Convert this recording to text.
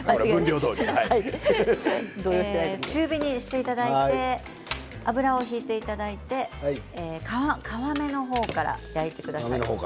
中火にしていただいて油を引いていただいて皮目の方から焼いてください。